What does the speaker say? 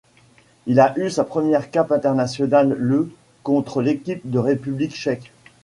Il a eu sa première cape internationale le contre l'équipe de République tchèque.